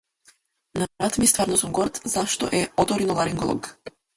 На брат ми стварно сум горд зашто е оториноларинголог.